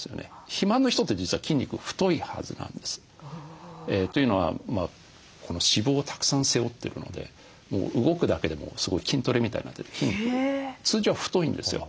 肥満の人って実は筋肉太いはずなんです。というのは脂肪をたくさん背負ってるので動くだけでもすごい筋トレみたいになってて筋肉通常は太いんですよ。